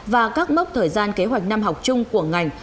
và các mốc thời gian kế hoạch năm học chung của ngành